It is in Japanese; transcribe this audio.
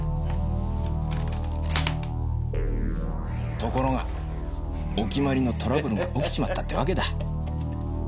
ところがお決まりのトラブルが起きちまったってわけだ。